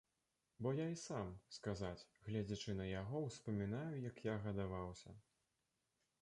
Бо я і сам, сказаць, гледзячы на яго, успамінаю, як я гадаваўся.